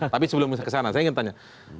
tapi sebelum ke sana saya ingin tanya